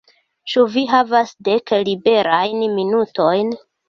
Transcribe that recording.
Ĉu vi havas dek liberajn minutojn?